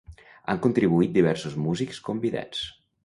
Han contribuït diversos músics convidats.